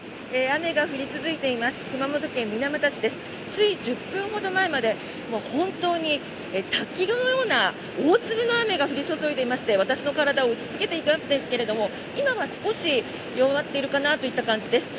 つい１０分ほど前まで本当に滝のような大粒の雨が降り注いでいまして私の体を打ちつけていたんですけど今は少し弱っているかなといった感じです。